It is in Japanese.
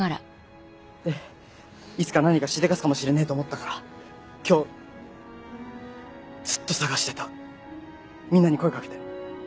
でいつか何かしでかすかもしれねえと思ったから今日ずっと捜してたみんなに声かけて。